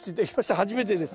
初めてです。